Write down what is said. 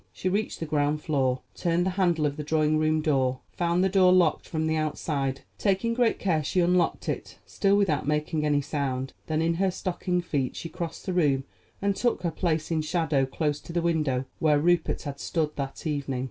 She reached the ground floor, turned the handle of the drawing room door, found the door locked from the outside. Taking great care, she unlocked it, still without making any sound. Then, in her stockinged feet she crossed the room and took her place in shadow close to the window where Rupert had stood that evening.